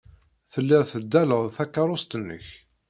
Telliḍ teddaleḍ takeṛṛust-nnek.